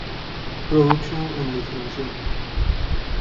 Productions en la distribución.